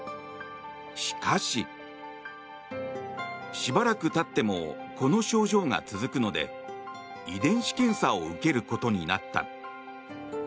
しかし、しばらく経ってもこの症状が続くので遺伝子検査を受けることになった。